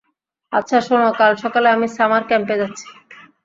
আচ্ছা শোনো কাল সকালে আমি সামার ক্যাম্প যাচ্ছি।